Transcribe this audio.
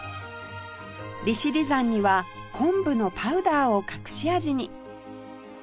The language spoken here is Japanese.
利尻山には昆布のパウダーを隠し味に